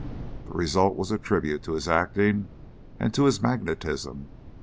The result was a tribute to his acting and to his magnetism.